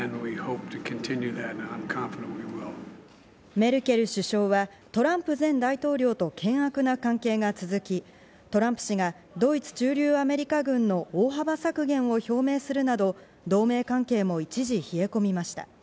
メルケル首相はトランプ前大統領と険悪な関係が続き、トランプ氏がドイツ駐留アメリカ軍の大幅削減を表明するなど同盟関係も一時、冷え込みました。